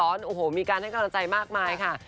โอ้โหมีการให้กำลังใจมากมายค่ะ